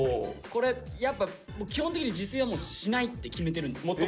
これやっぱ基本的に自炊はもうしないって決めてるんです。